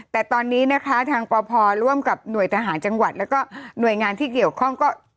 แต่ตอนนี้นะคะทางปพร่วมกับหน่วยทหารจังหวัดแล้วก็หน่วยงานที่เกี่ยวข้องก็